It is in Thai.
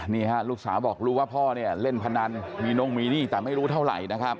นี่ฮะลูกสาวบอกรู้ว่าพ่อเนี่ยเล่นพนันมีน่งมีหนี้แต่ไม่รู้เท่าไหร่นะครับ